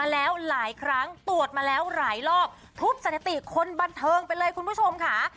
แล้วหลายครั้งตรวจมาแล้วหลายรอบทุบสถิติคนบันเทิงไปเลยคุณผู้ชมค่ะ